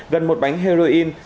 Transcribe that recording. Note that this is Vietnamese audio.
gần một bánh heroin